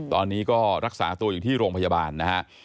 ตอนนี้ก็รักษาตัวอยู่ที่โรงพยาบาลนะฮะ